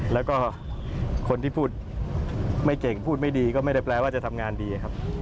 แล้วก็คนที่พูดไม่เก่งพูดไม่ดีก็ไม่ได้แปลว่าจะทำงานดีครับ